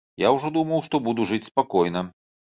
Я ўжо думаў, што буду жыць спакойна.